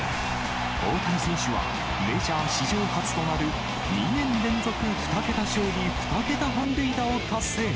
大谷選手は、メジャー史上初となる、２年連続２桁勝利２桁本塁打を達成。